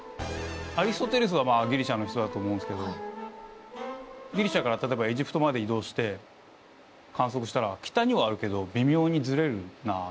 アリストテレスはギリシアの人だと思うんすけどギリシアから例えばエジプトまで移動して観測したら北にはあるけど微妙にズレるなあ。